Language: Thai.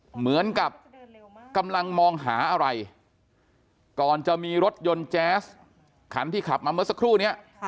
เหมือนกับกำลังมองหาอะไรก่อนจะมีรถยนต์แจ๊สขันที่ขับมาเมื่อสักครู่นี้